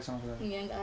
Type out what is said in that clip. tidak pernah kembali